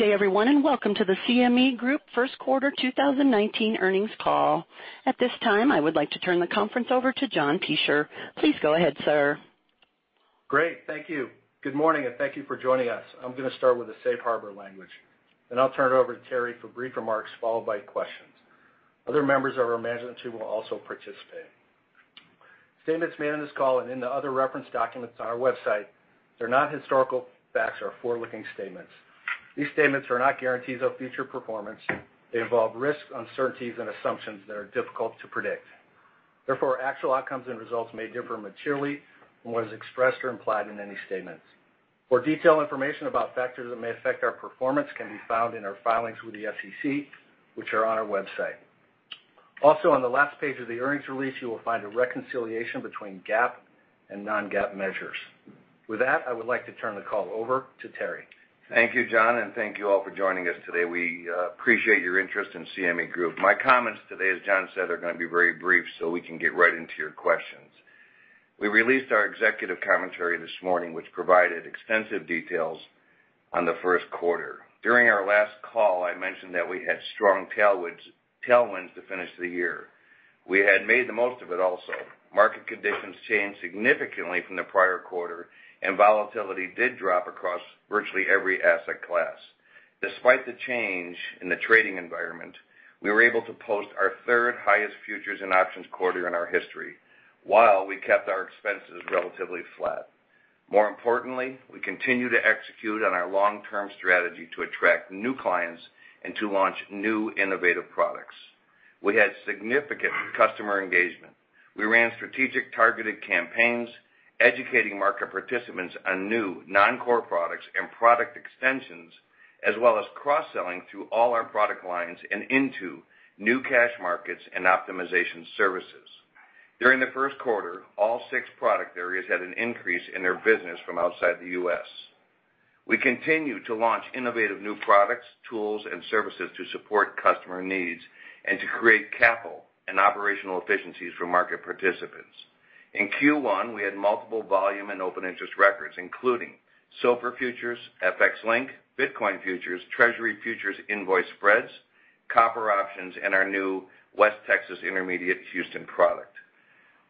Good day everyone. Welcome to the CME Group First Quarter 2019 earnings call. At this time, I would like to turn the conference over to John Peschier. Please go ahead, sir. Great. Thank you. Good morning. Thank you for joining us. I'm going to start with the safe harbor language. I'll turn it over to Terry for brief remarks, followed by questions. Other members of our management team will also participate. Statements made on this call and in the other reference documents on our website, they're not historical facts or forward-looking statements. These statements are not guarantees of future performance. They involve risks, uncertainties, and assumptions that are difficult to predict. Therefore, actual outcomes and results may differ materially from what is expressed or implied in any statements. More detailed information about factors that may affect our performance can be found in our filings with the SEC, which are on our website. On the last page of the earnings release, you will find a reconciliation between GAAP and non-GAAP measures. With that, I would like to turn the call over to Terry. Thank you, John. Thank you all for joining us today. We appreciate your interest in CME Group. My comments today, as John said, are going to be very brief. We can get right into your questions. We released our executive commentary this morning, which provided extensive details on the first quarter. During our last call, I mentioned that we had strong tailwinds to finish the year. We had made the most of it also. Market conditions changed significantly from the prior quarter. Volatility did drop across virtually every asset class. Despite the change in the trading environment, we were able to post our third highest futures and options quarter in our history while we kept our expenses relatively flat. We continue to execute on our long-term strategy to attract new clients and to launch new innovative products. We had significant customer engagement. We ran strategic targeted campaigns, educating market participants on new non-core products and product extensions, as well as cross-selling through all our product lines and into new cash markets and optimization services. During the first quarter, all six product areas had an increase in their business from outside the U.S. We continue to launch innovative new products, tools, and services to support customer needs and to create capital and operational efficiencies for market participants. In Q1, we had multiple volume and open interest records, including Silver futures, FX Link, Bitcoin futures, Treasury Futures invoice spreads, Copper options, and our new WTI Houston Crude Oil futures product.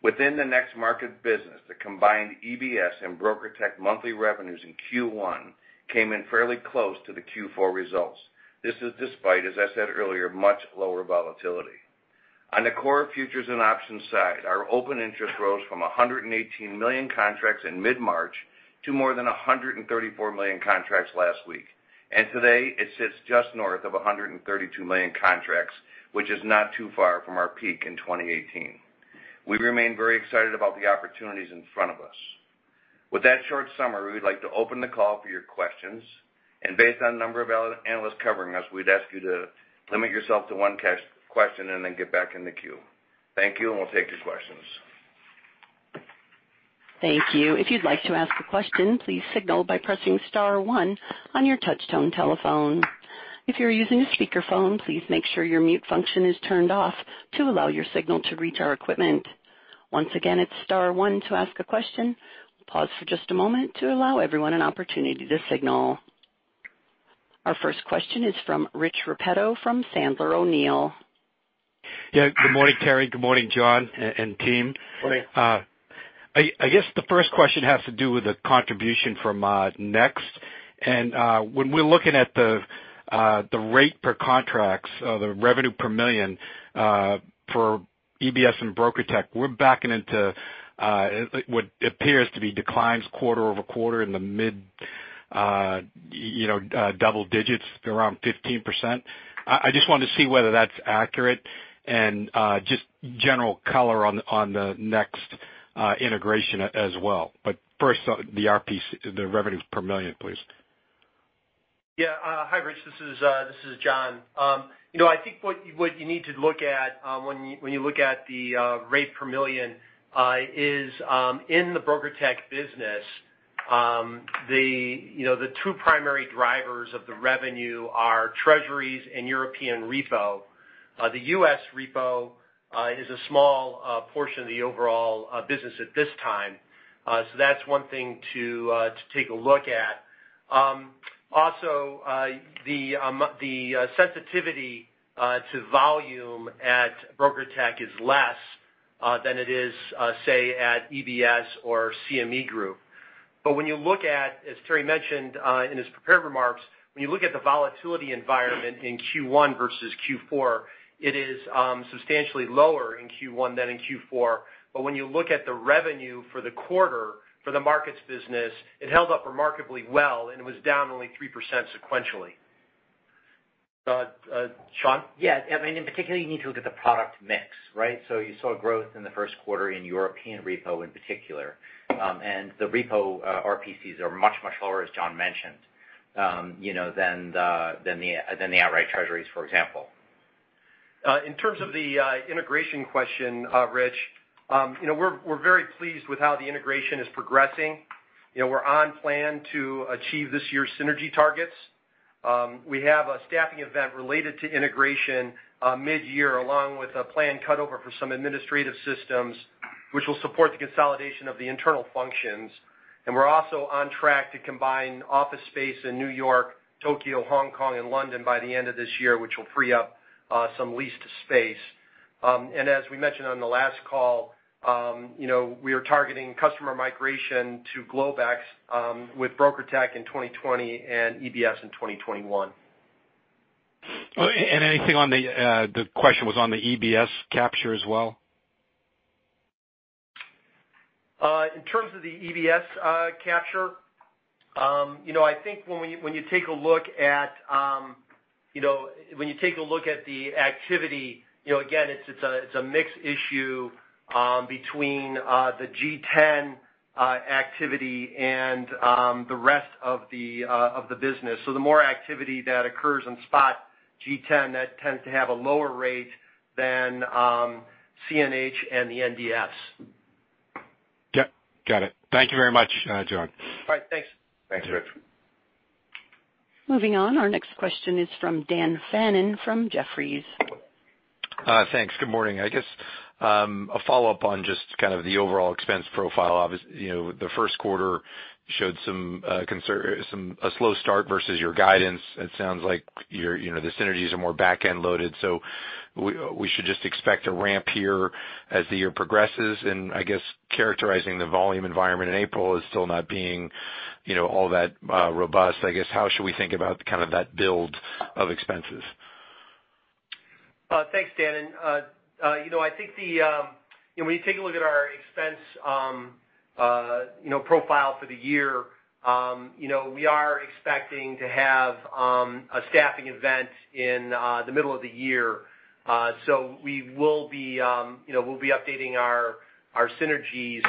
Within the NEX market business, the combined EBS and BrokerTec monthly revenues in Q1 came in fairly close to the Q4 results. This is despite, as I said earlier, much lower volatility. On the core futures and options side, our open interest rose from 118 million contracts in mid-March to more than 134 million contracts last week. Today it sits just north of 132 million contracts, which is not too far from our peak in 2018. We remain very excited about the opportunities in front of us. With that short summary, we'd like to open the call for your questions. Based on a number of analysts covering us, we'd ask you to limit yourself to one question and then get back in the queue. Thank you. We'll take your questions. Thank you. If you'd like to ask a question, please signal by pressing star one on your touch-tone telephone. If you're using a speakerphone, please make sure your mute function is turned off to allow your signal to reach our equipment. Once again, it's star one to ask a question. We'll pause for just a moment to allow everyone an opportunity to signal. Our first question is from Rich Repetto from Sandler O'Neill. Yeah. Good morning, Terry. Good morning, John and team. Morning. I guess the first question has to do with the contribution from NEX. When we're looking at the rate per contracts, the revenue per million for EBS and BrokerTec, we're backing into what appears to be declines quarter-over-quarter in the mid double digits around 15%. I just wanted to see whether that's accurate and just general color on the NEX integration as well. First, the RPC, the revenues per million, please. Yeah. Hi Rich, this is John. I think what you need to look at when you look at the rate per million is in the BrokerTec business, the two primary drivers of the revenue are Treasuries and European Repo. The U.S. Repo is a small portion of the overall business at this time. That's one thing to take a look at. Also, the sensitivity to volume at BrokerTec is less than it is, say, at EBS or CME Group. When you look at, as Terry mentioned in his prepared remarks, when you look at the volatility environment in Q1 versus Q4, it is substantially lower in Q1 than in Q4. When you look at the revenue for the quarter for the markets business, it held up remarkably well and was down only 3% sequentially. Sean? Yeah, in particular, you need to look at the product mix, right? You saw growth in the first quarter in European Repo in particular. The repo RPCs are much, much lower, as John mentioned, than the outright Treasuries, for example. In terms of the integration question, Rich, we're very pleased with how the integration is progressing. We're on plan to achieve this year's synergy targets. We have a staffing event related to integration mid-year, along with a planned cut-over for some administrative systems. Which will support the consolidation of the internal functions. We're also on track to combine office space in New York, Tokyo, Hong Kong, and London by the end of this year, which will free up some leased space. As we mentioned on the last call, we are targeting customer migration to Globex with BrokerTec in 2020 and EBS in 2021. Anything on the question was on the EBS capture as well? In terms of the EBS capture, I think when you take a look at the activity, again, it's a mixed issue between the G10 activity and the rest of the business. The more activity that occurs in spot G10, that tends to have a lower rate than CNH and the NDFs. Yep, got it. Thank you very much, John. All right, thanks. Thanks, Rich. Moving on, our next question is from Daniel Fannon from Jefferies. Thanks. Good morning. I guess, a follow-up on just kind of the overall expense profile. The first quarter showed a slow start versus your guidance. It sounds like the synergies are more back-end loaded, so we should just expect a ramp here as the year progresses, and I guess characterizing the volume environment in April as still not being all that robust. I guess, how should we think about that build of expenses? Thanks, Dan. I think when you take a look at our expense profile for the year, we are expecting to have a staffing event in the middle of the year. We'll be updating our synergies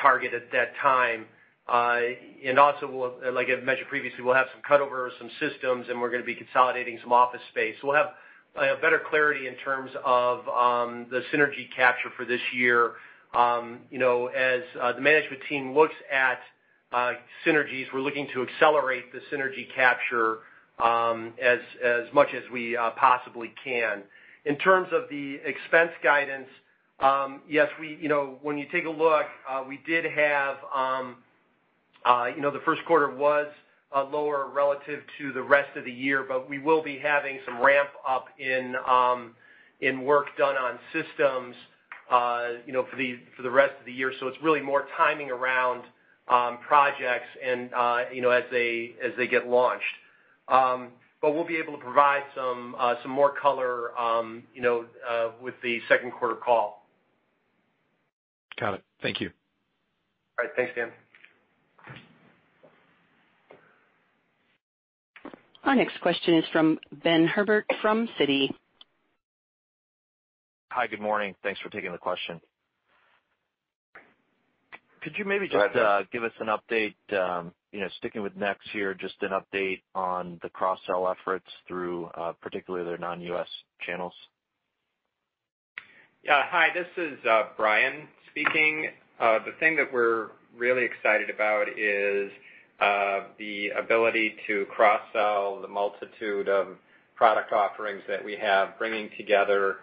target at that time. Also, like I've mentioned previously, we'll have some cutovers, some systems, and we're going to be consolidating some office space. We'll have better clarity in terms of the synergy capture for this year. As the management team looks at synergies, we're looking to accelerate the synergy capture as much as we possibly can. In terms of the expense guidance, yes, when you take a look, the first quarter was lower relative to the rest of the year, but we will be having some ramp-up in work done on systems for the rest of the year. It's really more timing around projects and as they get launched. We'll be able to provide some more color with the second quarter call. Got it. Thank you. All right. Thanks, Dan. Our next question is from Benjamin Herbert from Citi. Hi. Good morning. Thanks for taking the question. Could you maybe Go ahead, Ben. Give us an update, sticking with next year, just an update on the cross-sell efforts through particularly their non-U.S. channels? Hi, this is Bryan speaking. The thing that we're really excited about is the ability to cross-sell the multitude of product offerings that we have, bringing together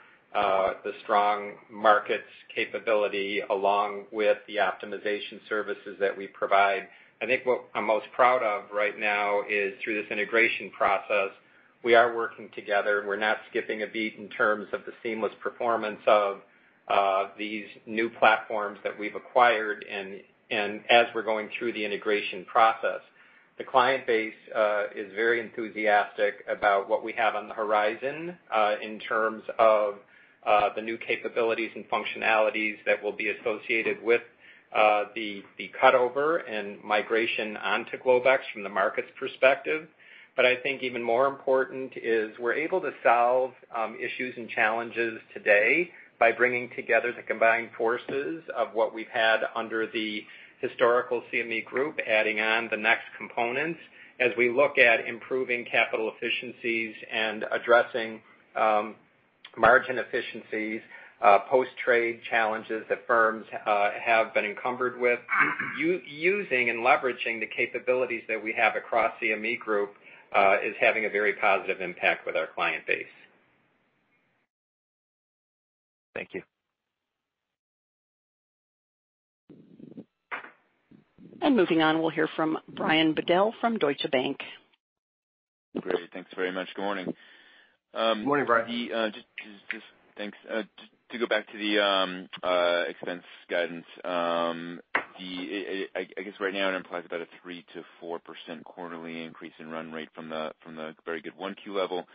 the strong markets capability along with the optimization services that we provide. I think what I'm most proud of right now is through this integration process, we are working together. We're not skipping a beat in terms of the seamless performance of these new platforms that we've acquired and as we're going through the integration process. The client base is very enthusiastic about what we have on the horizon in terms of the new capabilities and functionalities that will be associated with the cutover and migration onto Globex from the markets perspective. I think even more important is we're able to solve issues and challenges today by bringing together the combined forces of what we've had under the historical CME Group, adding on the NEX components. As we look at improving capital efficiencies and addressing margin efficiencies, post-trade challenges that firms have been encumbered with, using and leveraging the capabilities that we have across CME Group is having a very positive impact with our client base. Thank you. Moving on, we'll hear from Brian Bedell from Deutsche Bank. Great. Thanks very much. Good morning. Good morning, Brian. Thanks. To go back to the expense guidance, I guess right now it implies about a 3%-4% quarterly increase in run rate from the very good one Q level.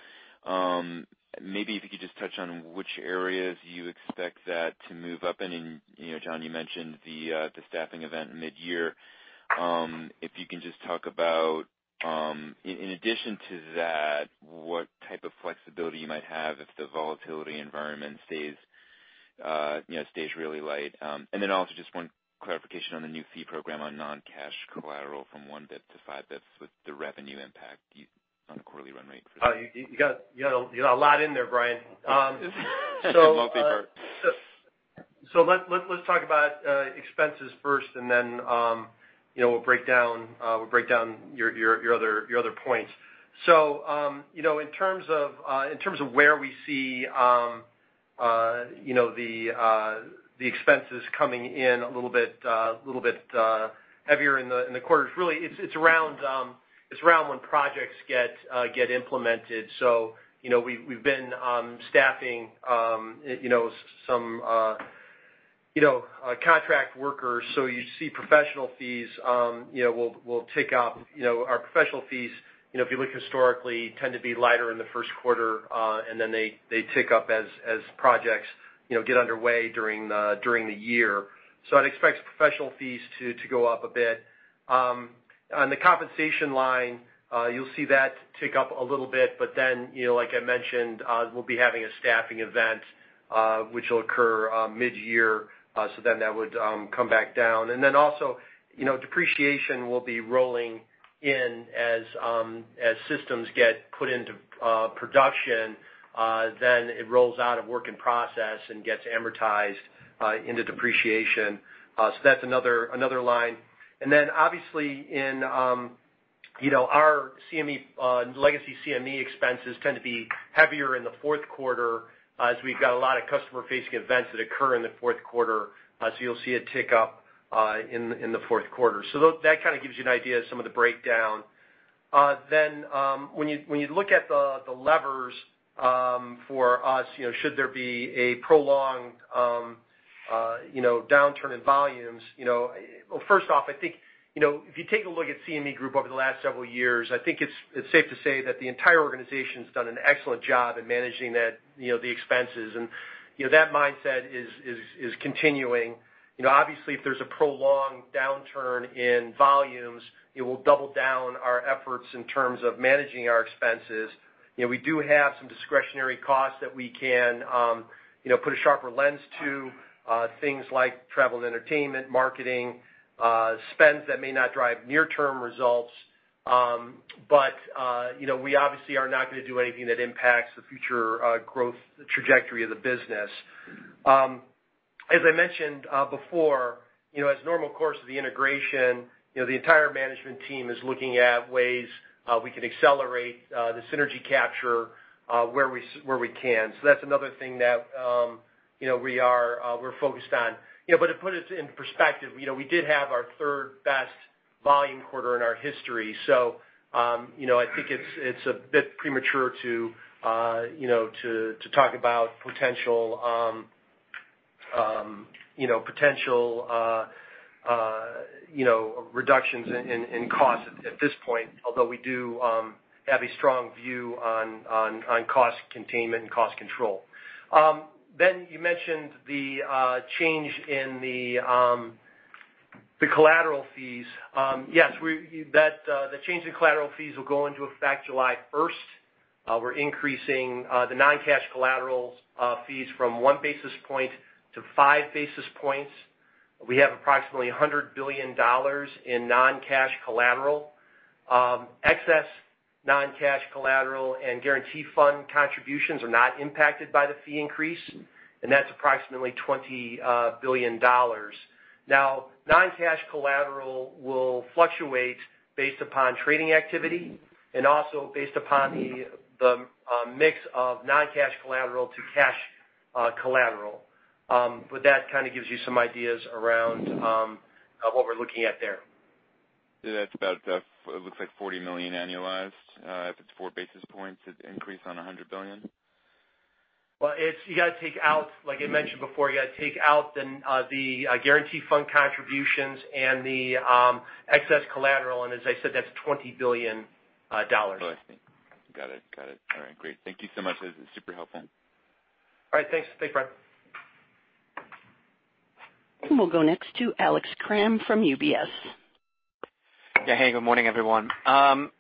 Maybe if you could just touch on which areas you expect that to move up in, and John, you mentioned the staffing event mid-year. If you can just talk about, in addition to that, what type of flexibility you might have if the volatility environment stays really light. Also just one clarification on the new fee program on non-cash collateral from one basis point to five basis points with the revenue impact on the quarterly run rate. You got a lot in there, Brian. It's multi-part. Let's talk about expenses first, and then we'll break down your other points. In terms of where we see the expenses coming in a little bit heavier in the quarter, it's really around when projects get implemented. We've been staffing some contract workers, so you see professional fees will tick up. Our professional fees, if you look historically, tend to be lighter in the first quarter, and then they tick up as projects get underway during the year. I'd expect professional fees to go up a bit. On the compensation line, you'll see that tick up a little bit, like I mentioned, we'll be having a staffing event, which will occur mid-year, that would come back down. Also, depreciation will be rolling in as systems get put into production, then it rolls out of work in process and gets amortized into depreciation. That's another line. Obviously in our legacy CME expenses tend to be heavier in the fourth quarter as we've got a lot of customer-facing events that occur in the fourth quarter. You'll see a tick up in the fourth quarter. That kind of gives you an idea of some of the breakdown. When you look at the levers for us, should there be a prolonged downturn in volumes. First off, I think, if you take a look at CME Group over the last several years, I think it's safe to say that the entire organization's done an excellent job at managing the expenses, and that mindset is continuing. Obviously, if there's a prolonged downturn in volumes, it will double down our efforts in terms of managing our expenses. We do have some discretionary costs that we can put a sharper lens to, things like travel and entertainment, marketing, spends that may not drive near-term results. We obviously are not going to do anything that impacts the future growth trajectory of the business. As I mentioned before, as normal course of the integration, the entire management team is looking at ways we can accelerate the synergy capture where we can. That's another thing that we're focused on. To put it in perspective, we did have our third-best volume quarter in our history. I think it's a bit premature to talk about potential reductions in costs at this point, although we do have a strong view on cost containment and cost control. Ben, you mentioned the change in the collateral fees. Yes, the change in collateral fees will go into effect July 1st. We're increasing the non-cash collateral fees from one basis point to five basis points. We have approximately $100 billion in non-cash collateral. Excess non-cash collateral and guarantee fund contributions are not impacted by the fee increase, and that's approximately $20 billion. Now, non-cash collateral will fluctuate based upon trading activity and also based upon the mix of non-cash collateral to cash collateral. That kind of gives you some ideas around what we're looking at there. Yeah, that's about, it looks like $40 million annualized. If it's four basis points, it'd increase on $100 billion. Well, like I mentioned before, you've got to take out the guarantee fund contributions and the excess collateral, and as I said, that's $20 billion. Oh, I see. Got it. All right, great. Thank you so much. This is super helpful. All right, thanks Brian. We'll go next to Alex Kramm from UBS. Yeah. Hey, good morning, everyone.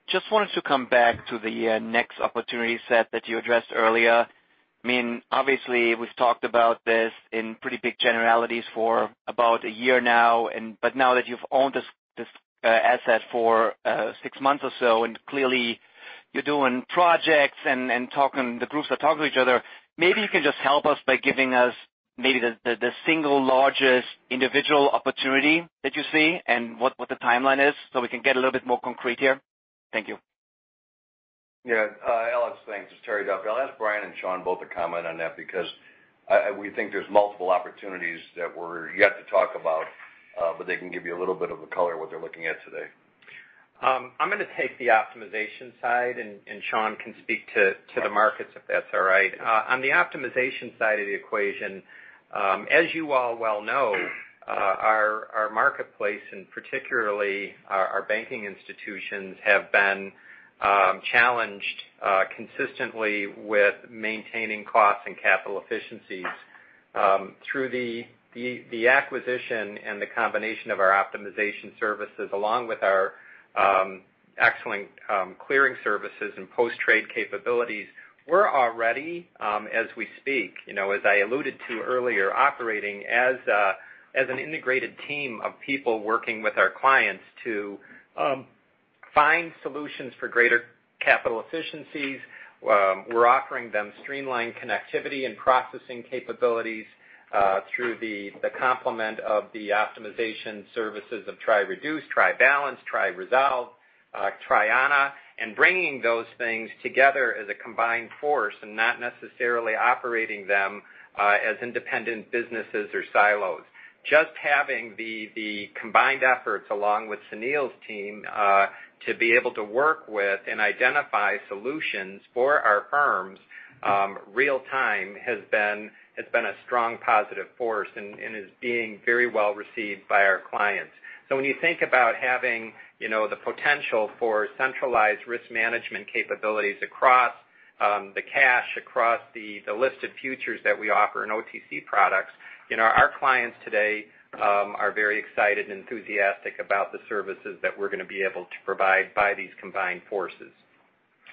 Just wanted to come back to the NEX opportunity set that you addressed earlier. I mean, obviously, we've talked about this in pretty big generalities for about a year now, but now that you've owned this asset for six months or so, and clearly you're doing projects and the groups are talking to each other, maybe you can just help us by giving us maybe the single largest individual opportunity that you see and what the timeline is, so we can get a little bit more concrete here. Thank you. Yeah, Alex, thanks. It's Terry Duffy. I'll ask Bryan and Sean both to comment on that because we think there's multiple opportunities that we're yet to talk about, but they can give you a little bit of a color what they're looking at today. I'm going to take the optimization side and Sean can speak to the markets, if that's all right. On the optimization side of the equation, as you all well know, our marketplace and particularly our banking institutions have been challenged consistently with maintaining costs and capital efficiencies. Through the acquisition and the combination of our optimization services, along with our excellent clearing services and post-trade capabilities, we're already, as we speak, as I alluded to earlier, operating as an integrated team of people working with our clients to find solutions for greater capital efficiencies. We're offering them streamlined connectivity and processing capabilities through the complement of the optimization services of triReduce, triBalance, triResolve-Triana, and bringing those things together as a combined force and not necessarily operating them as independent businesses or silos. Just having the combined efforts along with Sunil's team, to be able to work with and identify solutions for our firms real-time has been a strong positive force and is being very well received by our clients. When you think about having the potential for centralized risk management capabilities across the cash, across the listed futures that we offer in OTC products, our clients today are very excited and enthusiastic about the services that we're going to be able to provide by these combined forces.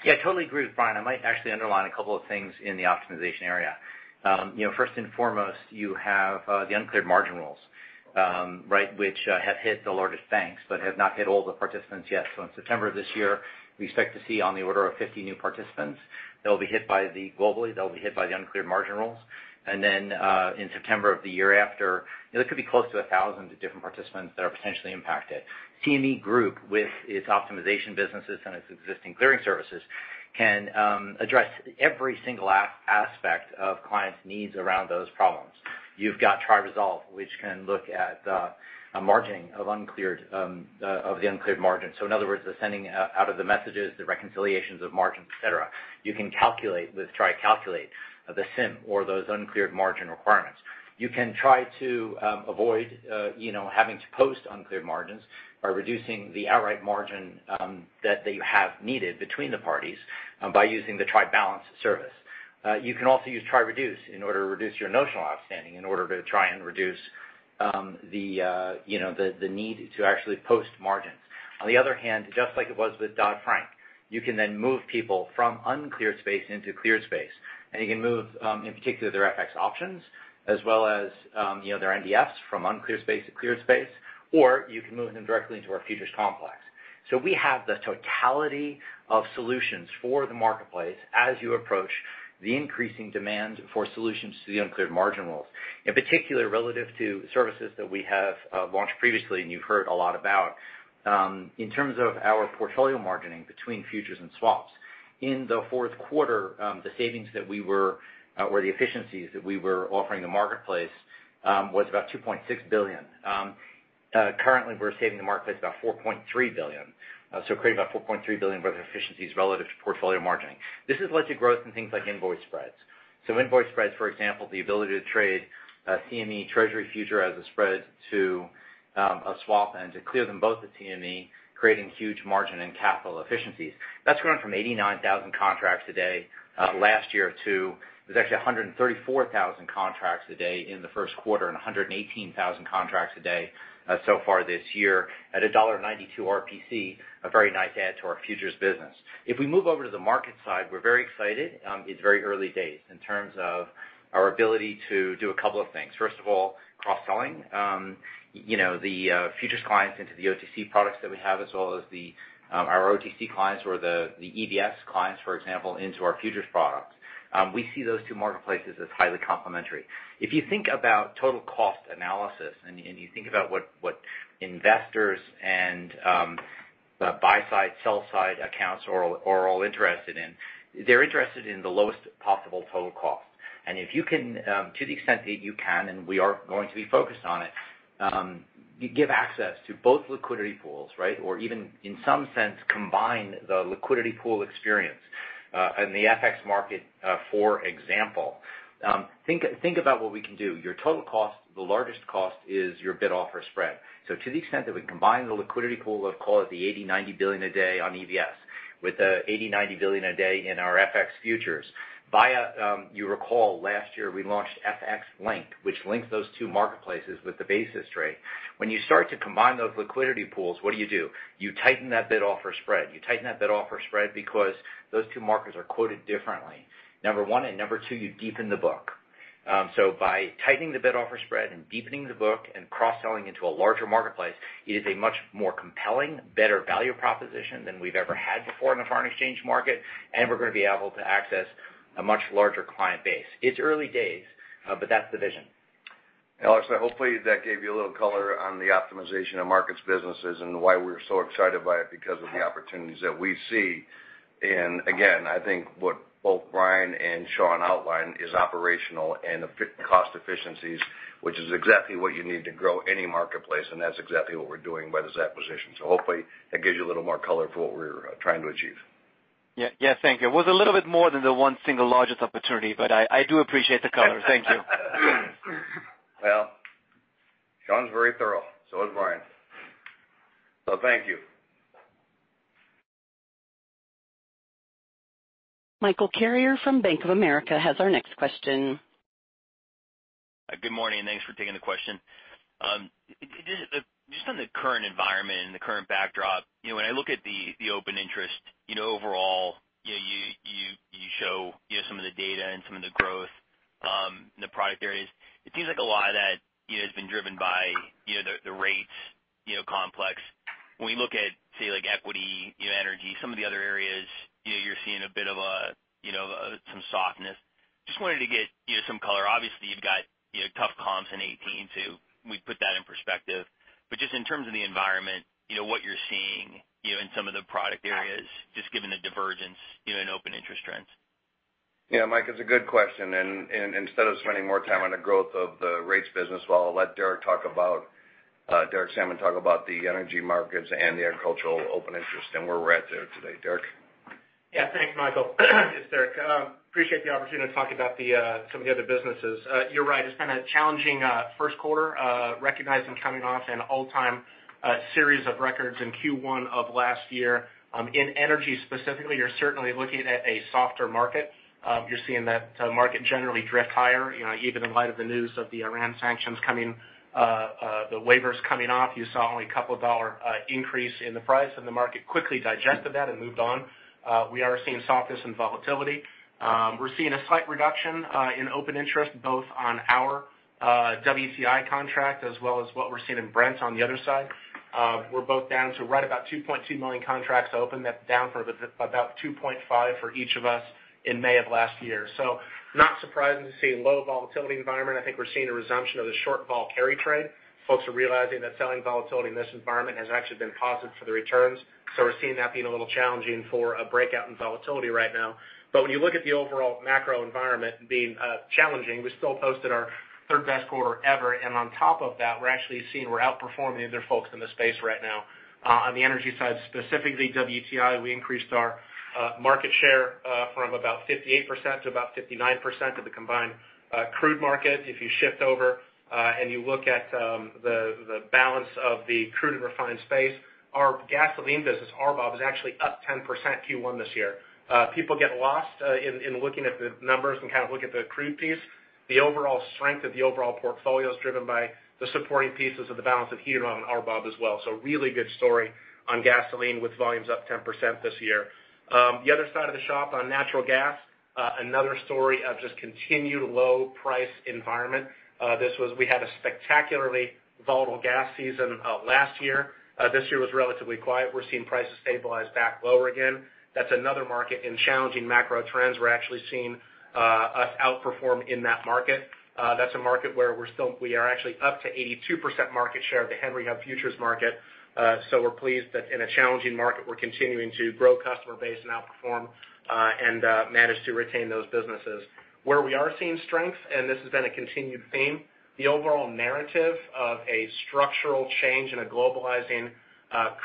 Yeah, totally agree with Brian. I might actually underline a couple of things in the optimization area. First and foremost, you have the Uncleared Margin Rules, right, which have hit the largest banks, but have not hit all the participants yet. In September of this year, we expect to see on the order of 50 new participants that'll be hit globally, they'll be hit by the Uncleared Margin Rules. In September of the year after, it could be close to 1,000 different participants that are potentially impacted. CME Group, with its optimization businesses and its existing clearing services, can address every single aspect of clients' needs around those problems. You've got triResolve, which can look at a margining of the uncleared margin. In other words, the sending out of the messages, the reconciliations of margins, et cetera. You can calculate with triCalculate the SIM or those Uncleared Margin requirements. You can try to avoid having to post Uncleared Margins by reducing the outright margin that you have needed between the parties by using the triBalance service. You can also use triReduce in order to reduce your notional outstanding, in order to try and reduce the need to actually post margins. On the other hand, just like it was with Dodd-Frank, you can then move people from uncleared space into cleared space, and you can move, in particular, their FX options as well as their NDFs from uncleared space to cleared space, or you can move them directly into our futures complex. We have the totality of solutions for the marketplace as you approach the increasing demand for solutions to the Uncleared Margin Rules, in particular, relative to services that we have launched previously and you've heard a lot about. In terms of our portfolio margining between futures and swaps, in the fourth quarter, the savings that we were or the efficiencies that we were offering the marketplace, was about $2.6 billion. Currently, we're saving the marketplace about $4.3 billion. Creating about $4.3 billion worth of efficiencies relative to portfolio margining. This has led to growth in things like invoice spreads. invoice spreads, for example, the ability to trade a CME Treasury Future as a spread to a swap and to clear them both at CME, creating huge margin and capital efficiencies. That's grown from 89,000 contracts a day last year to, it was actually 134,000 contracts a day in the first quarter and 118,000 contracts a day so far this year at $1.92 RPC, a very nice add to our futures business. We move over to the market side, we're very excited. It's very early days in terms of our ability to do a couple of things. First of all, cross-selling the futures clients into the OTC products that we have, as well as our OTC clients or the EBS clients, for example, into our futures products. We see those two marketplaces as highly complementary. If you think about total cost analysis and you think about what investors and buy-side, sell-side accounts are all interested in, they're interested in the lowest possible total cost. If you can, to the extent that you can, and we are going to be focused on it, you give access to both liquidity pools, right? Or even, in some sense, combine the liquidity pool experience, in the FX market, for example. Think about what we can do. Your total cost, the largest cost is your bid-offer spread. To the extent that we combine the liquidity pool of, call it, the 80, 90 billion a day on EBS with the 80, 90 billion a day in our FX futures via You recall last year we launched FX Link, which links those two marketplaces with the basis trade. When you start to combine those liquidity pools, what do you do? You tighten that bid-offer spread. You tighten that bid-offer spread because those two markets are quoted differently, number 1. number 2, you deepen the book. By tightening the bid-offer spread and deepening the book and cross-selling into a larger marketplace, it is a much more compelling, better value proposition than we've ever had before in the foreign exchange market, and we're going to be able to access a much larger client base. It's early days, but that's the vision. Alex, hopefully that gave you a little color on the optimization of markets businesses and why we're so excited by it, because of the opportunities that we see. Again, I think what both Brian and Sean outlined is operational and cost efficiencies, which is exactly what you need to grow any marketplace, and that's exactly what we're doing by this acquisition. Hopefully that gives you a little more color for what we're trying to achieve. Yeah. Thank you. It was a little bit more than the one single largest opportunity, I do appreciate the color. Thank you. Well, Sean's very thorough. So is Brian. Thank you. Michael Carrier from Bank of America has our next question. Good morning, and thanks for taking the question. Just on the current environment and the current backdrop, when I look at the open interest overall, you show some of the data and some of the growth in the product areas, it seems like a lot of that has been driven by the rates complex. When you look at, say, like equity, energy, some of the other. Just wanted to get some color. Obviously, you've got tough comps in 2018 to put that in perspective. Just in terms of the environment, what you're seeing in some of the product areas, just given the divergence in open interest trends. Yeah, Mike, it's a good question, and instead of spending more time on the growth of the rates business, well, I'll let Derek Sammann talk about the energy markets and the agricultural open interest and where we're at there today. Derek? Yeah. Thanks, Michael. It's Derek. Appreciate the opportunity to talk about some of the other businesses. You're right. It's been a challenging first quarter, recognizing coming off an all-time series of records in Q1 of last year. In energy specifically, you're certainly looking at a softer market. You're seeing that market generally drift higher, even in light of the news of the Iran sanctions coming, the waivers coming off. You saw only a couple-dollar increase in the price, and the market quickly digested that and moved on. We are seeing softness and volatility. We're seeing a slight reduction in open interest, both on our WTI contract as well as what we're seeing in Brent on the other side. We're both down to right about 2.2 million contracts open. That's down for about 2.5 for each of us in May of last year. Not surprising to see low volatility environment. I think we're seeing a resumption of the short vol carry trade. Folks are realizing that selling volatility in this environment has actually been positive for the returns. We're seeing that being a little challenging for a breakout in volatility right now. When you look at the overall macro environment being challenging, we still posted our third-best quarter ever. On top of that, we're actually seeing we're outperforming the other folks in the space right now. On the energy side, specifically WTI, we increased our market share from about 58%-59% of the combined crude market. If you shift over, and you look at the balance of the crude and refined space, our gasoline business, RBOB, is actually up 10% Q1 this year. People get lost in looking at the numbers and kind of look at the crude piece. The overall strength of the overall portfolio is driven by the supporting pieces of the balance of heater on RBOB as well. Really good story on gasoline with volumes up 10% this year. The other side of the shop on natural gas, another story of just continued low price environment. We had a spectacularly volatile gas season last year. This year was relatively quiet. We're seeing prices stabilize back lower again. That's another market in challenging macro trends. We're actually seeing us outperform in that market. That's a market where we are actually up to 82% market share of the Henry Hub futures market. We're pleased that in a challenging market, we're continuing to grow customer base and outperform, and manage to retain those businesses. Where we are seeing strength, and this has been a continued theme, the overall narrative of a structural change in a globalizing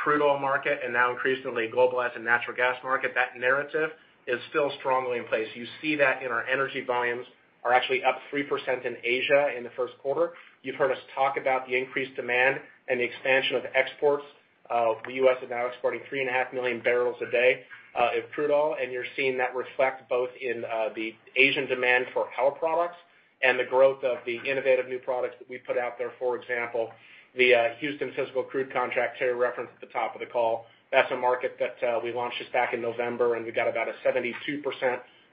crude oil market, and now increasingly globalizing natural gas market, that narrative is still strongly in place. You see that in our energy volumes are actually up 3% in Asia in the first quarter. You've heard us talk about the increased demand and the expansion of exports. The U.S. is now exporting three and a half million barrels a day of crude oil, and you're seeing that reflect both in the Asian demand for our products and the growth of the innovative new products that we put out there. For example, the Houston Physical Crude contract Terry referenced at the top of the call. That's a market that we launched just back in November, and we got about a 72%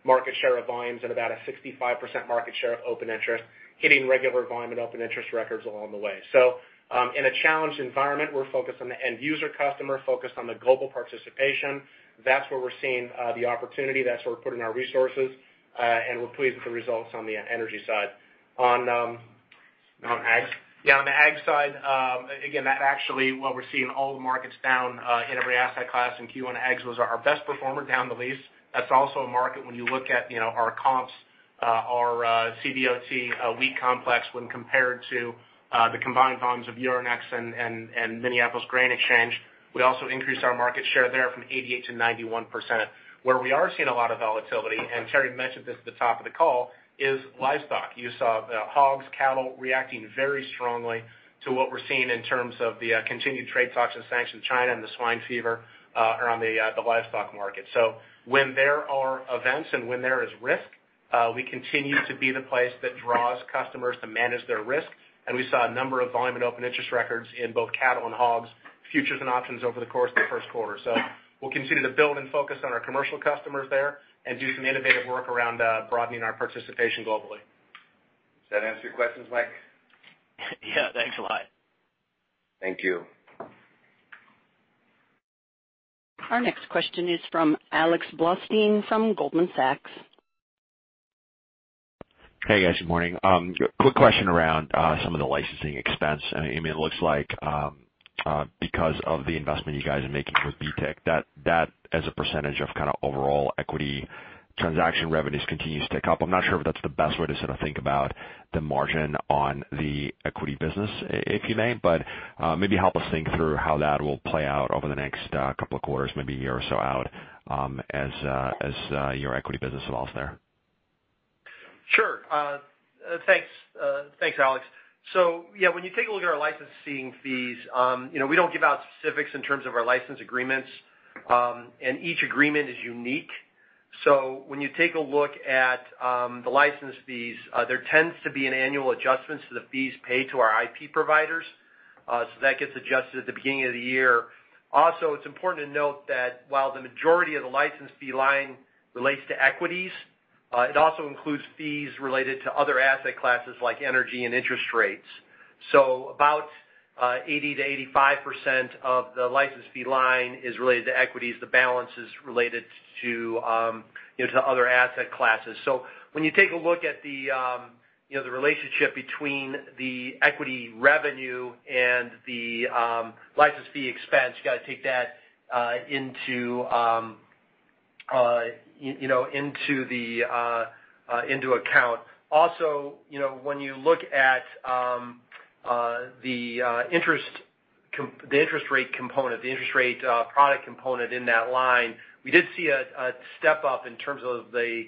market share of volumes and about a 65% market share of open interest, hitting regular volume and open interest records along the way. In a challenged environment, we're focused on the end user customer, focused on the global participation. That's where we're seeing the opportunity. That's where we're putting our resources. We're pleased with the results on the energy side. On- On ag? On the ag side, again, that actually, while we're seeing all the markets down in every asset class in Q1, ags was our best performer, down the least. That's also a market when you look at our comps, our CBOT wheat complex when compared to the combined volumes of Euronext and Minneapolis Grain Exchange. We also increased our market share there from 88% to 91%. Where we are seeing a lot of volatility, and Terry mentioned this at the top of the call, is livestock. You saw hogs, cattle reacting very strongly to what we're seeing in terms of the continued trade talks and sanctions in China and the swine fever around the livestock market. When there are events and when there is risk, we continue to be the place that draws customers to manage their risk, and we saw a number of volume and open interest records in both cattle and hogs, futures and options over the course of the first quarter. We'll continue to build and focus on our commercial customers there and do some innovative work around broadening our participation globally. Does that answer your questions, Mike? Thanks a lot. Thank you. Our next question is from Alex Blostein from Goldman Sachs. Hey, guys. Good morning. Quick question around some of the licensing expense. I mean, it looks like because of the investment you guys are making with BTIC, that as a percentage of kind of overall equity transaction revenues continues to tick up. I'm not sure if that's the best way to sort of think about the margin on the equity business, if you may, but maybe help us think through how that will play out over the next couple of quarters, maybe a year or so out, as your equity business evolves there. Sure. Thanks, Alex. Yeah, when you take a look at our licensing fees, we don't give out specifics in terms of our license agreements. Each agreement is unique. When you take a look at the license fees, there tends to be an annual adjustments to the fees paid to our IP providers. That gets adjusted at the beginning of the year. Also, it's important to note that while the majority of the license fee line relates to equities, it also includes fees related to other asset classes like energy and interest rates. About 80%-85% of the license fee line is related to equities. The balance is related to other asset classes. When you take a look at the relationship between the equity revenue and the license fee expense, you got to take that into account. When you look at the interest rate component, the interest rate product component in that line, we did see a step up in terms of the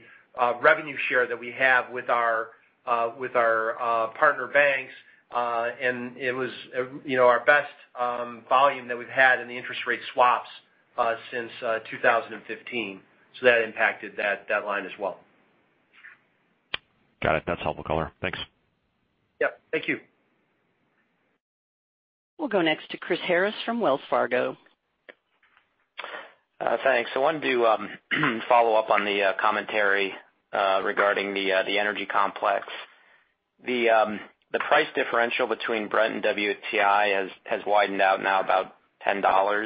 revenue share that we have with our partner banks. It was our best volume that we've had in the interest rate swaps since 2015, that impacted that line as well. Got it. That's helpful color. Thanks. Yep, thank you. We'll go next to Chris Harris from Wells Fargo. Thanks. I wanted to follow up on the commentary regarding the energy complex. The price differential between Brent and WTI has widened out now about $10.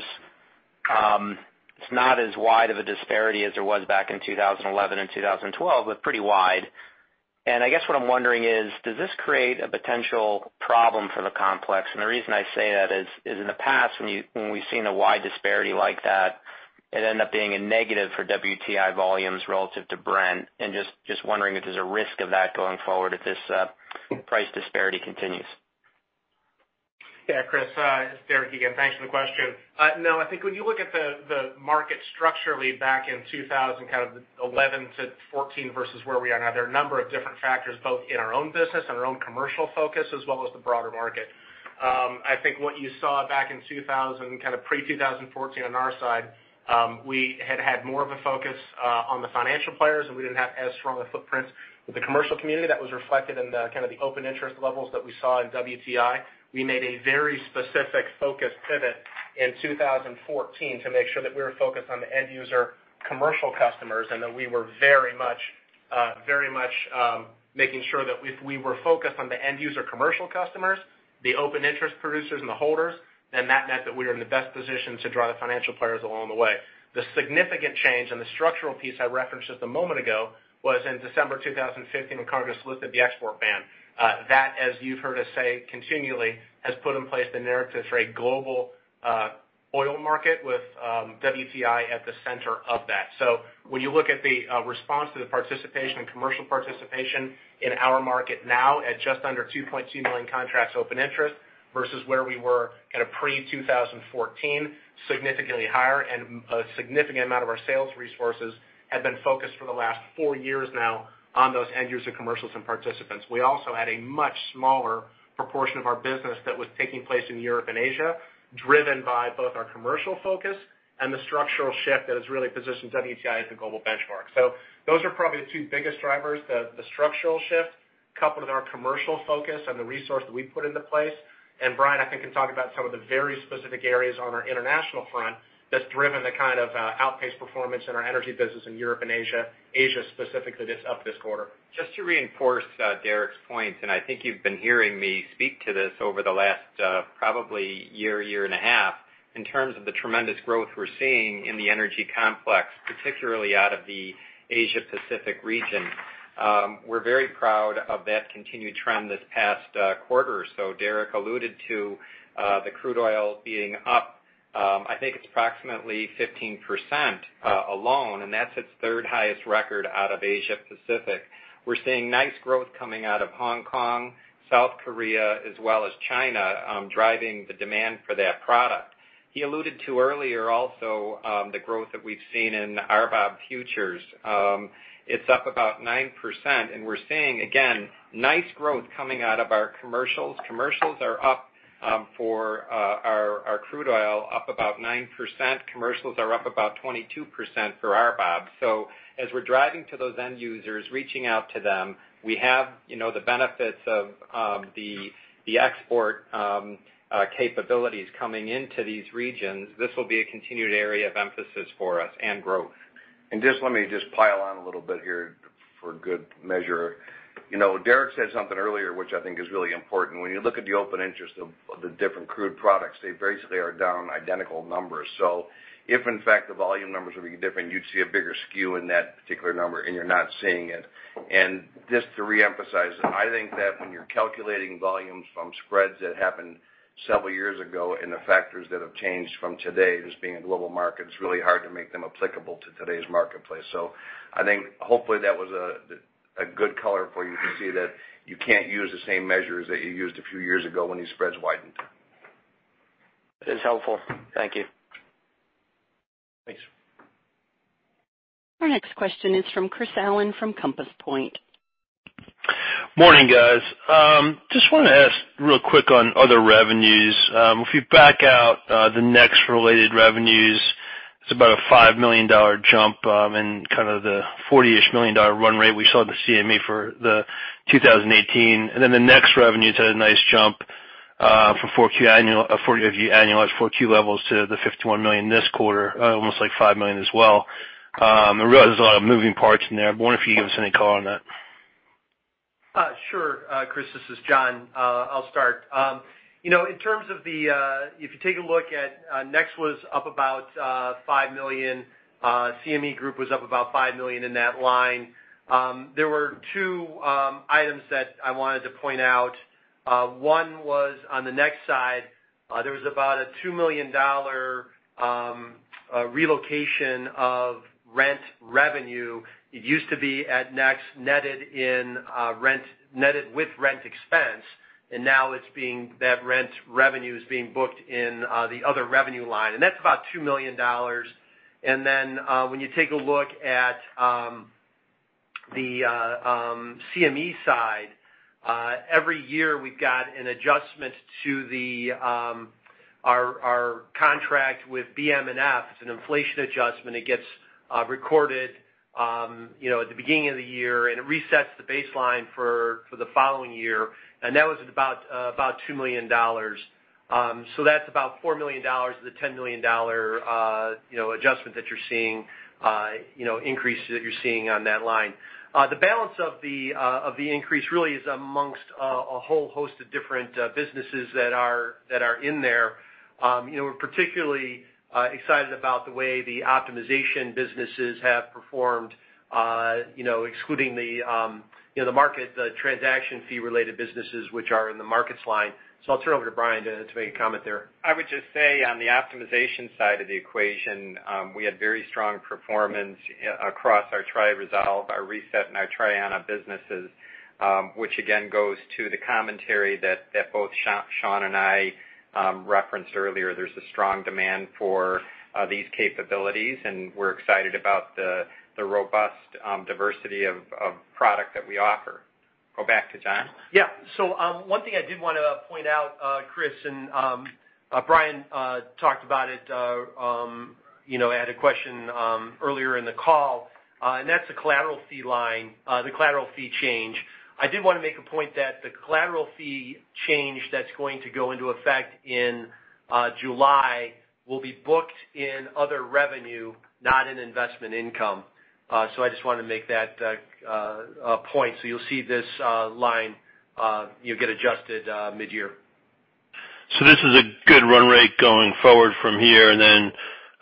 It's not as wide of a disparity as there was back in 2011 and 2012, but pretty wide. I guess what I'm wondering is, does this create a potential problem for the complex? The reason I say that is in the past, when we've seen a wide disparity like that, it ended up being a negative for WTI volumes relative to Brent, and just wondering if there's a risk of that going forward if this price disparity continues. Yeah, Chris. It's Derek again. Thanks for the question. I think when you look at the market structurally back in 2000, kind of 2011 to 2014 versus where we are now, there are a number of different factors, both in our own business and our own commercial focus, as well as the broader market. I think what you saw back in 2000, kind of pre-2014 on our side, we had had more of a focus on the financial players. We didn't have as strong a footprint with the commercial community that was reflected in the open interest levels that we saw in WTI. We made a very specific focus pivot in 2014 to make sure that we were focused on the end user commercial customers. That we were very much making sure that if we were focused on the end user commercial customers, the open interest producers and the holders, then that meant that we were in the best position to draw the financial players along the way. The significant change and the structural piece I referenced just a moment ago was in December 2015, when Congress lifted the export ban. That, as you've heard us say continually, has put in place the narrative for a global oil market with WTI at the center of that. When you look at the response to the participation and commercial participation in our market now at just under 2.2 million contracts open interest versus where we were kind of pre-2014, significantly higher. A significant amount of our sales resources have been focused for the last four years now on those end user commercials and participants. We also had a much smaller proportion of our business that was taking place in Europe and Asia, driven by both our commercial focus and the structural shift that has really positioned WTI as the global benchmark. Those are probably the two biggest drivers. The structural shift coupled with our commercial focus and the resource that we put into place. Brian, I think, can talk about some of the very specific areas on our international front that's driven the kind of outpaced performance in our energy business in Europe and Asia. Asia specifically this up this quarter. Just to reinforce Derek's point, and I think you've been hearing me speak to this over the last probably year and a half, in terms of the tremendous growth we're seeing in the energy complex, particularly out of the Asia Pacific region. We're very proud of that continued trend this past quarter or so. Derek alluded to the crude oil being up, I think it's approximately 15% alone, and that's its third highest record out of Asia Pacific. We're seeing nice growth coming out of Hong Kong, South Korea, as well as China, driving the demand for that product. He alluded to earlier also the growth that we've seen in RBOB futures. It's up about 9%, and we're seeing, again, nice growth coming out of our commercials. Commercials are up for our crude oil, up about 9%. Commercials are up about 22% for RBOB. As we're driving to those end users, reaching out to them, we have the benefits of the export capabilities coming into these regions. This will be a continued area of emphasis for us and growth. Just let me just pile on a little bit here for good measure. Derek said something earlier, which I think is really important. When you look at the open interest of the different crude products, they basically are down identical numbers. If in fact the volume numbers would be different, you'd see a bigger skew in that particular number, and you're not seeing it. Just to reemphasize, I think that when you're calculating volumes from spreads that happened several years ago and the factors that have changed from today, just being a global market, it's really hard to make them applicable to today's marketplace. I think hopefully that was a good color for you to see that you can't use the same measures that you used a few years ago when these spreads widened. It's helpful. Thank you. Thanks. Our next question is from Chris Allen from Compass Point. Morning, guys. Just want to ask real quick on other revenues. If you back out the NEX related revenues, it's about a $5 million jump in kind of the $40-ish million run rate we saw in the CME for the 2018. Then the NEX revenues had a nice jump from if you annualize Q4 levels to the $51 million this quarter, almost like $5 million as well. I realize there's a lot of moving parts in there, but I wonder if you could give us any color on that. Sure. Chris, this is John. I'll start. If you take a look at NEX was up about $5 million, CME Group was up about $5 million in that line. There were two items that I wanted to point out. One was on the NEX side, there was about a $2 million relocation of rent revenue. It used to be at NEX, netted with rent expense, and now that rent revenue is being booked in the other revenue line, and that's about $2 million. Then, when you take a look at the CME side, every year we've got an adjustment to our contract with BM&F. It's an inflation adjustment. It gets recorded at the beginning of the year, and it resets the baseline for the following year, and that was about $2 million. That's about $4 million of the $10 million adjustment that you're seeing, increase that you're seeing on that line. The balance of the increase really is amongst a whole host of different businesses that are in there. We're particularly excited about the way the optimization businesses have performed, excluding the market transaction fee-related businesses which are in the markets line. I'll turn it over to Brian to make a comment there. I would just say, on the optimization side of the equation, we had very strong performance across our triResolve, our Reset, and our Triana businesses, which again goes to the commentary that both Sean and I referenced earlier. There's a strong demand for these capabilities, and we're excited about the robust diversity of product that we offer. Go back to John. One thing I did want to point out, Chris, and Brian talked about it, had a question earlier in the call, and that's the collateral fee line, the collateral fee change. I did want to make a point that the collateral fee change that's going to go into effect in July will be booked in other revenue, not in investment income. I just wanted to make that a point. You'll see this line, you'll get adjusted mid-year. This is a good run rate going forward from here, and then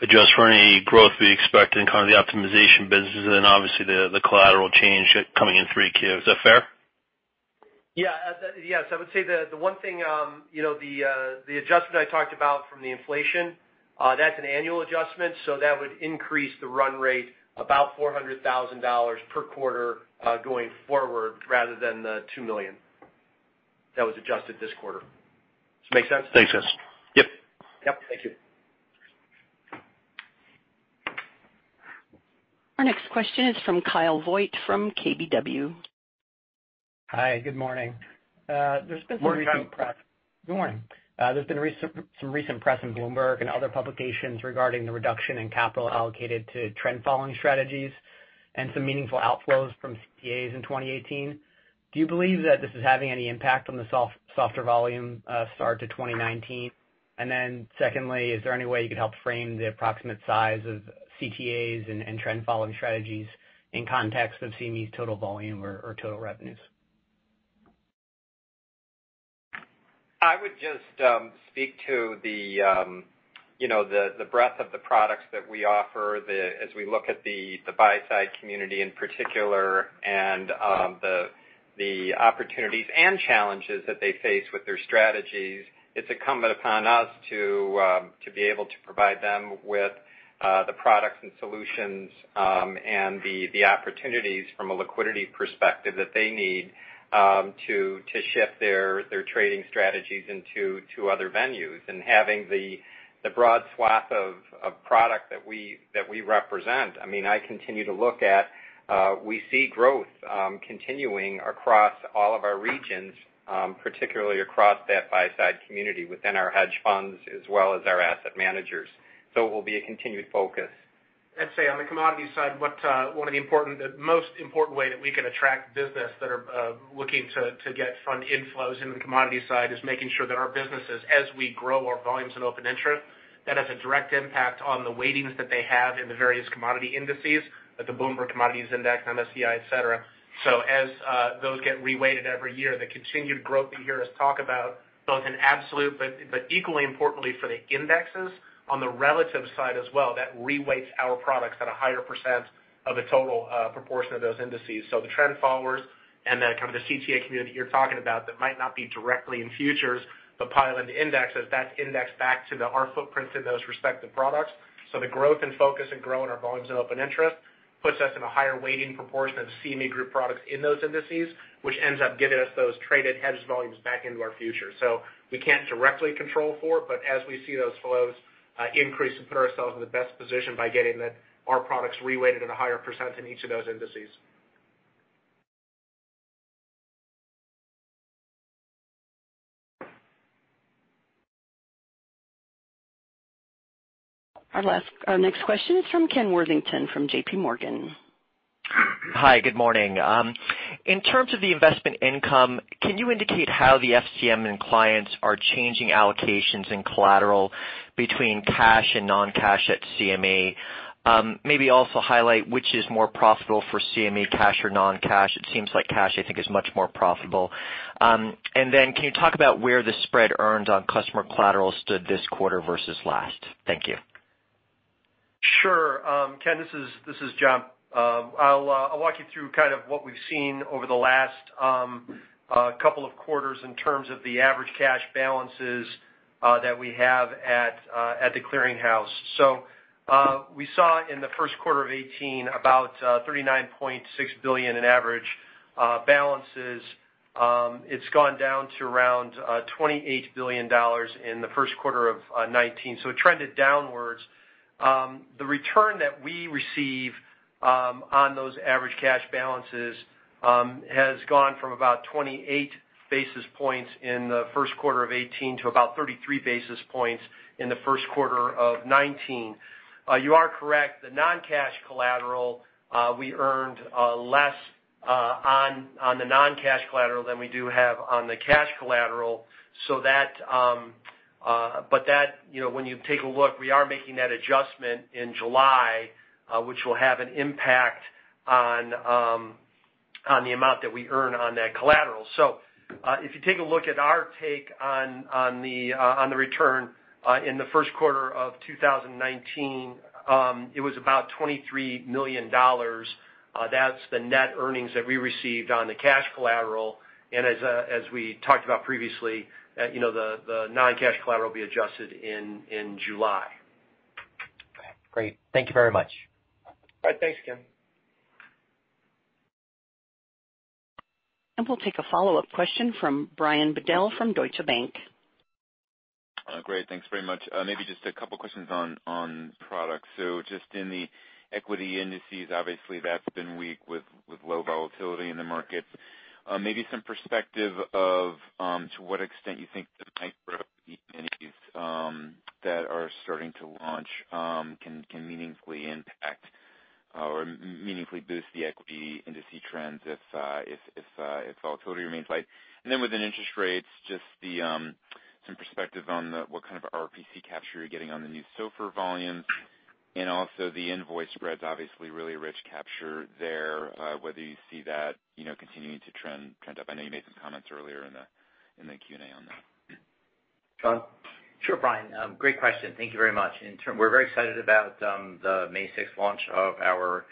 adjust for any growth we expect in the optimization businesses and obviously the collateral change coming in 3Q. Is that fair? Yes. I would say the one thing, the adjustment I talked about from the inflation, that's an annual adjustment, that would increase the run rate about $400,000 per quarter, going forward, rather than the $2 million that was adjusted this quarter. Does that make sense? Makes sense. Yep. Yep. Thank you. Our next question is from Kyle Voigt from KBW. Hi, good morning. Morning, Kyle. Good morning. There's been some recent press in Bloomberg and other publications regarding the reduction in capital allocated to trend following strategies and some meaningful outflows from CTAs in 2018. Do you believe that this is having any impact on the softer volume start to 2019? Secondly, is there any way you could help frame the approximate size of CTAs and trend following strategies in context of CME's total volume or total revenues? I would just speak to the breadth of the products that we offer as we look at the buy side community in particular and the opportunities and challenges that they face with their strategies. It's incumbent upon us to be able to provide them with the products and solutions, and the opportunities from a liquidity perspective that they need to shift their trading strategies into other venues. We see growth continuing across all of our regions, particularly across that buy side community within our hedge funds as well as our asset managers. It will be a continued focus. On the commodity side, the most important way that we can attract business that are looking to get fund inflows into the commodity side is making sure that our businesses, as we grow our volumes in open interest, that has a direct impact on the weightings that they have in the various commodity indices, like the Bloomberg Commodity Index, MSCI, et cetera. As those get reweighted every year, the continued growth that you hear us talk about, both in absolute but equally importantly for the indexes on the relative side as well, that reweights our products at a higher % of the total proportion of those indices. The trend followers and then the CTA community you're talking about that might not be directly in futures, but pile into indexes, that index back to our footprints in those respective products. The growth and focus in growing our volumes in open interest puts us in a higher weighting proportion of CME Group products in those indices, which ends up giving us those traded hedge volumes back into our futures. We can't directly control for it, but as we see those flows increase and put ourselves in the best position by getting our products reweighted at a higher % in each of those indices. Our next question is from Kenneth Worthington from JPMorgan. Hi, good morning. In terms of the investment income, can you indicate how the FCM and clients are changing allocations in collateral between cash and non-cash at CME? Maybe also highlight which is more profitable for CME, cash or non-cash. It seems like cash, I think, is much more profitable. Can you talk about where the spread earned on customer collateral stood this quarter versus last? Thank you. Sure. Ken, this is John. I'll walk you through kind of what we've seen over the last couple of quarters in terms of the average cash balances that we have at the clearinghouse. We saw in the first quarter of 2018 about $39.6 billion in average balances. It's gone down to around $28 billion in the first quarter of 2019. It trended downwards. The return that we received on those average cash balances has gone from about 28 basis points in the first quarter of 2018 to about 33 basis points in the first quarter of 2019. You are correct, the non-cash collateral, we earned less on the non-cash collateral than we do have on the cash collateral. When you take a look, we are making that adjustment in July, which will have an impact on the amount that we earn on that collateral. If you take a look at our take on the return in the first quarter of 2019, it was about $23 million. That's the net earnings that we received on the cash collateral. As we talked about previously, the non-cash collateral will be adjusted in July. Great. Thank you very much. All right. Thanks, Ken. We'll take a follow-up question from Brian Bedell from Deutsche Bank. Great. Thanks very much. Maybe just a couple of questions on products. Just in the equity indices, obviously, that's been weak with low volatility in the markets. Maybe some perspective of to what extent you think the Micro E-minis that are starting to launch can meaningfully impact or meaningfully boost the equity indices trends if volatility remains light. Then within interest rates, just some perspective on what kind of RPC capture you're getting on the new SOFR volumes and also the invoice spreads, obviously, really rich capture there, whether you see that continuing to trend up. I know you made some comments earlier in the Q&A on that. John? Sure, Brian. Great question. Thank you very much. We're very excited about the May 6th launch of our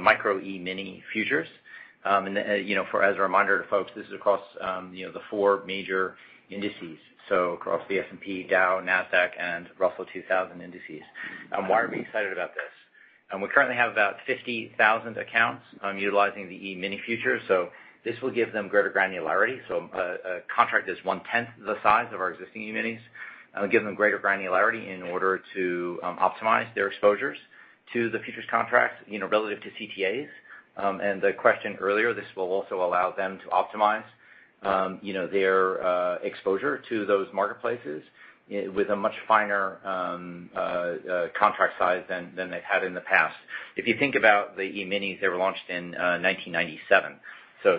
Micro E-mini futures. As a reminder to folks, this is across the four major indices, across the S&P, Dow, Nasdaq, and Russell 2000 indices. Why are we excited about this? We currently have about 50,000 accounts utilizing the E-mini futures, this will give them greater granularity. A contract that's one-tenth the size of our existing E-minis will give them greater granularity in order to optimize their exposures to the futures contracts relative to CTAs. The question earlier, this will also allow them to optimize their exposure to those marketplaces with a much finer contract size than they've had in the past. If you think about the E-minis, they were launched in 1997.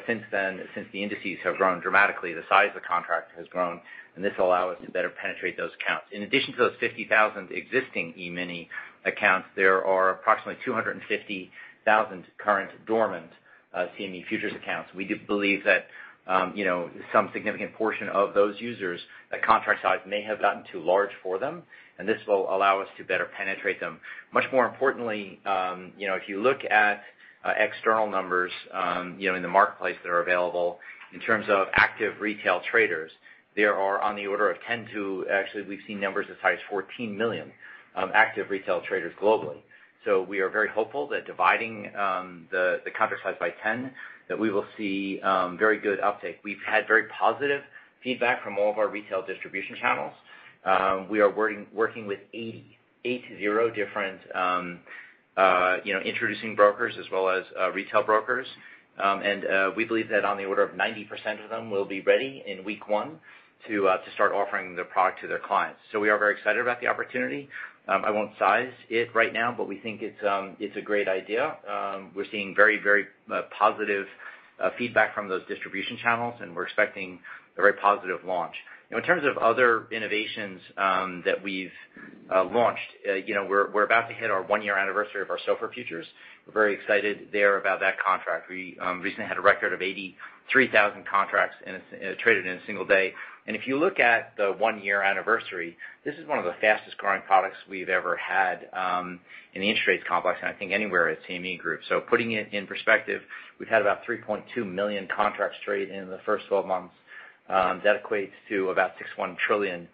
Since then, since the indices have grown dramatically, the size of the contract has grown, and this will allow us to better penetrate those accounts. In addition to those 50,000 existing E-mini accounts, there are approximately 250,000 current dormant CME futures accounts. We do believe that some significant portion of those users, the contract size may have gotten too large for them, and this will allow us to better penetrate them. Much more importantly, if you look at external numbers in the marketplace that are available in terms of active retail traders, there are on the order of 10 to 14 million active retail traders globally. We are very hopeful that dividing the contract size by 10, that we will see very good uptake. We've had very positive feedback from all of our retail distribution channels. We are working with 80 different introducing brokers as well as retail brokers. We believe that on the order of 90% of them will be ready in week one to start offering their product to their clients. We are very excited about the opportunity. I won't size it right now, but we think it's a great idea. We're seeing very positive feedback from those distribution channels, and we're expecting a very positive launch. In terms of other innovations that we've launched, we're about to hit our one-year anniversary of our SOFR futures. We're very excited there about that contract. We recently had a record of 83,000 contracts traded in a single day. If you look at the one-year anniversary, this is one of the fastest-growing products we've ever had in the interest rates complex, and I think anywhere at CME Group. Putting it in perspective, we've had about 3.2 million contracts traded in the first 12 months. That equates to about $6.1 trillion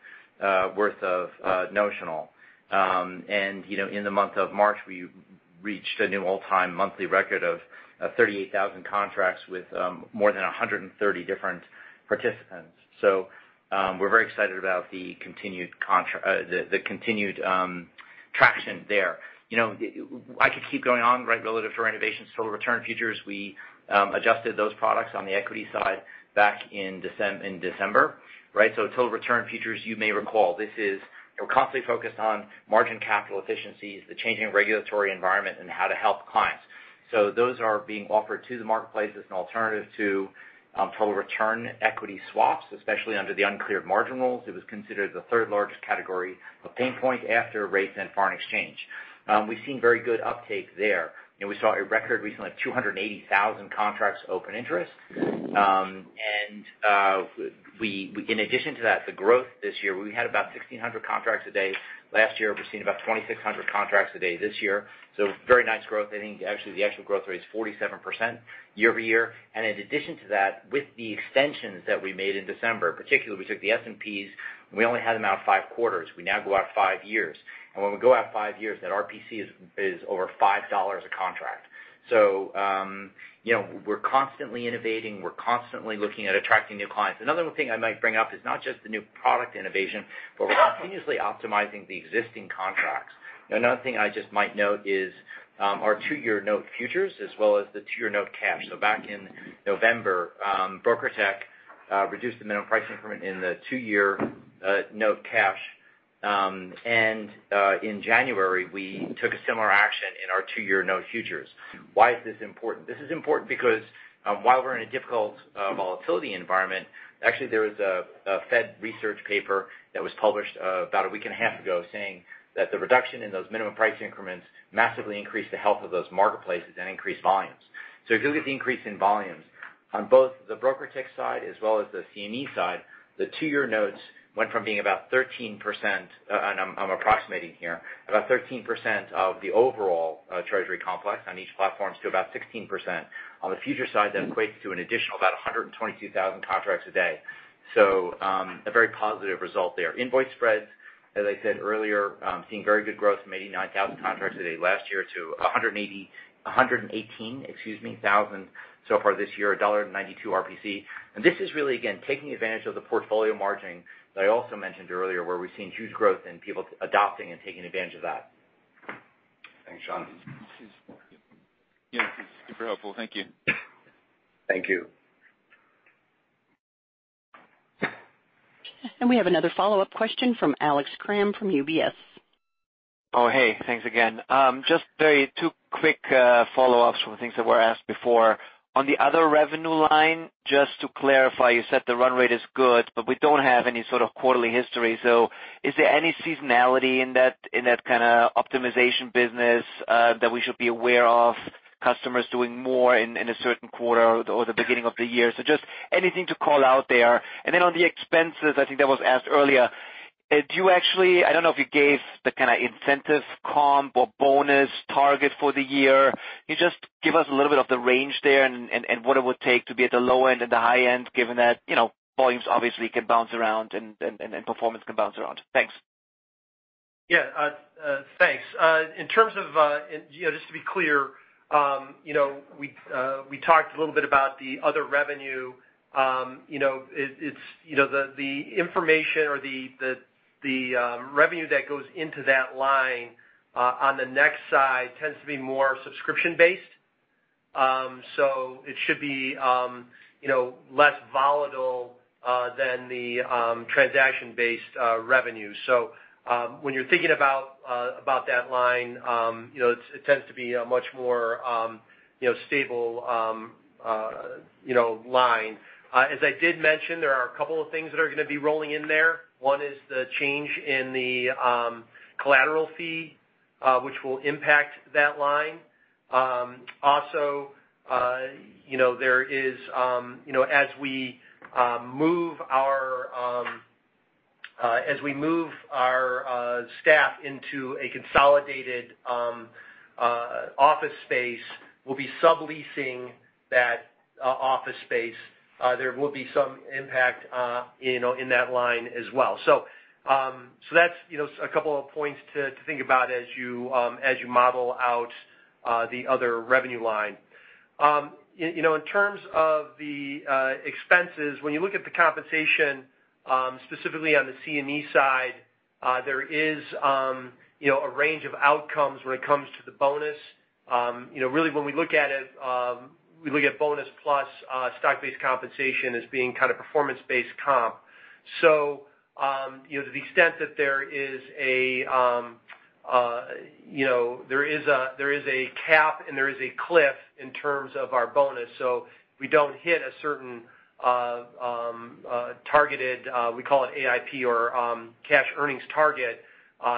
worth of notional. In the month of March, we reached a new all-time monthly record of 38,000 contracts with more than 130 different participants. We're very excited about the continued traction there. I could keep going on, relative to our innovations, Total Return futures. We adjusted those products on the equity side back in December. Total Return futures, you may recall, we're constantly focused on margin capital efficiencies, the changing regulatory environment, and how to help clients. Those are being offered to the marketplace as an alternative to total return equity swaps, especially under the Uncleared Margin Rules. It was considered the third-largest category of pain point after rates and foreign exchange. We've seen very good uptake there. We saw a record recently of 280,000 contracts open interest. In addition to that, the growth this year, we had about 1,600 contracts a day last year. We've seen about 2,600 contracts a day this year, very nice growth. I think actually the actual growth rate is 47% year-over-year. In addition to that, with the extensions that we made in December, particularly, we took the S&Ps, and we only had them out five quarters. We now go out five years. When we go out five years, that RPC is over $5 a contract. We're constantly innovating. We're constantly looking at attracting new clients. Another thing I might bring up is not just the new product innovation, but we're continuously optimizing the existing contracts. Another thing I just might note is our Two-Year Note futures as well as the Two-Year Note cash. Back in November, BrokerTec reduced the minimum price increment in the Two-Year Note cash. In January, we took a similar action in our Two-Year Note futures. Why is this important? This is important because while we're in a difficult volatility environment, actually, there was a Fed research paper that was published about a week and a half ago saying that the reduction in those minimum price increments massively increased the health of those marketplaces and increased volumes. If you look at the increase in volumes on both the BrokerTec side as well as the CME side, the Two-Year Notes went from being about 13%, and I'm approximating here, about 13% of the overall Treasury complex on each platforms to about 16%. On the future side, that equates to an additional about 122,000 contracts a day. A very positive result there. Invoice spreads, as I said earlier, seeing very good growth from 89,000 contracts a day last year to 118,000 so far this year, $1.92 RPC. This is really, again, taking advantage of the portfolio margining that I also mentioned earlier, where we've seen huge growth in people adopting and taking advantage of that. Thanks, Sean. Yeah, super helpful. Thank you. Thank you. We have another follow-up question from Alex Kramm from UBS. Thanks again. Just Terry, two quick follow-ups from things that were asked before. On the other revenue line, just to clarify, you said the run rate is good, we don't have any sort of quarterly history. Is there any seasonality in that kind of optimization business that we should be aware of customers doing more in a certain quarter or the beginning of the year? Just anything to call out there. On the expenses, I think that was asked earlier, do you actually I don't know if you gave the kind of incentive comp or bonus target for the year. Can you just give us a little bit of the range there and what it would take to be at the low end and the high end, given that volumes obviously can bounce around and performance can bounce around? Thanks. Yeah. Thanks. Just to be clear, we talked a little bit about the other revenue. The information or the revenue that goes into that line on the next slide tends to be more subscription-based. It should be less volatile than the transaction-based revenue. When you're thinking about that line, it tends to be a much more stable line. As I did mention, there are a couple of things that are gonna be rolling in there. One is the change in the collateral fee, which will impact that line. Also, as we move our staff into a consolidated office space, we'll be subleasing that office space. There will be some impact in that line as well. That's a couple of points to think about as you model out the other revenue line. In terms of the expenses, when you look at the compensation, specifically on the CME side, there is a range of outcomes when it comes to the bonus. Really, when we look at it, we look at bonus plus stock-based compensation as being kind of performance-based comp. To the extent that there is a cap and there is a cliff in terms of our bonus, if we don't hit a certain targeted, we call it AIP or cash earnings target,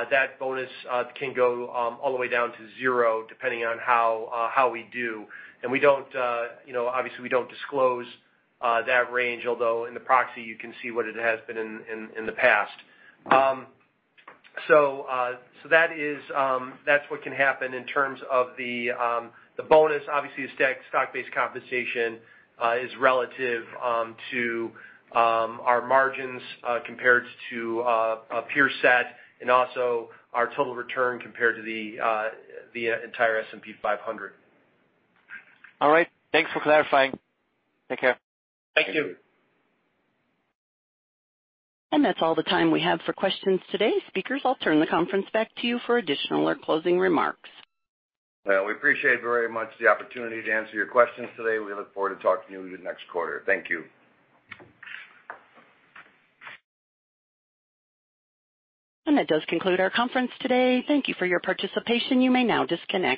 that bonus can go all the way down to zero depending on how we do. Obviously, we don't disclose that range, although in the proxy, you can see what it has been in the past. That's what can happen in terms of the bonus. Obviously, the stock-based compensation is relative to our margins compared to a peer set and also our total return compared to the entire S&P 500. All right. Thanks for clarifying. Take care. Thank you. That's all the time we have for questions today. Speakers, I'll turn the conference back to you for additional or closing remarks. We appreciate very much the opportunity to answer your questions today. We look forward to talking to you next quarter. Thank you. That does conclude our conference today. Thank you for your participation. You may now disconnect.